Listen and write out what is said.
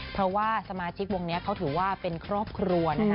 เพราะว่าสมาชิกวงนี้เขาถือว่าเป็นครอบครัวนะคะ